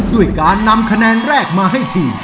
ด้วยการนำคะแนนแรกมาให้ทีม